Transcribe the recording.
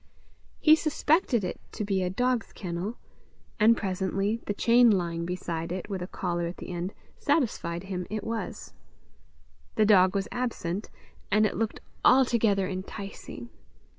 He suspected it to be a dog's kennel; and presently the chain lying beside it, with a collar at the end, satisfied him it was. The dog was absent, and it looked altogether enticing!